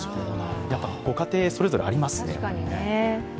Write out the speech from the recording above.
やっぱりご家庭それぞれ、ありますね。